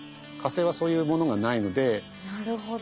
なるほど。